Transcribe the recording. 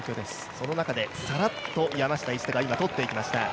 その中でさらっと、今山下一貴とっていきました。